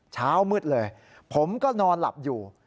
เช้ามืดเลยผมก็นอนหลับอยู่